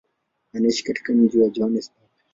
Anaishi katika mji wa Johannesburg.